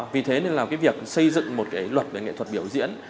vì thế nên là cái việc xây dựng một cái luật về nghệ thuật biểu diễn